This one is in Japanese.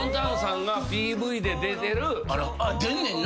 出んねんな。